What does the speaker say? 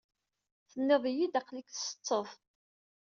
Tenniḍ-iyi-d aql-ik tsetteḍ.